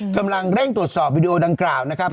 กำลังเร่งตรวจสอบวิดีโอดังกล่าวนะครับ